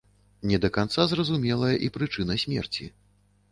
Не да канца зразумелая і прычына смерці.